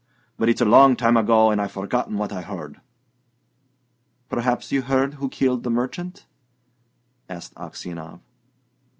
But it's a long time ago, and I've forgotten what I heard." "Perhaps you heard who killed the merchant?" asked Aksionov.